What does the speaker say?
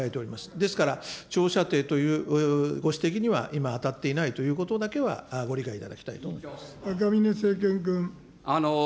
ですから、長射程というご指摘には今、当たっていないということだけはご理解いただきたいと思っ赤嶺政賢君。